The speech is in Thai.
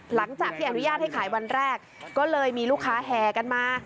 หลังจากที่อนุญาตให้ขายวันแรกก็เลยมีลูกค้าแห่กันมา